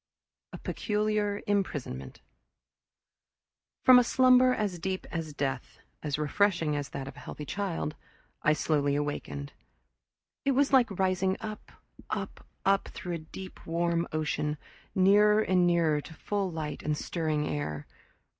A Peculiar Imprisonment From a slumber as deep as death, as refreshing as that of a healthy child, I slowly awakened. It was like rising up, up, up through a deep warm ocean, nearer and nearer to full light and stirring air.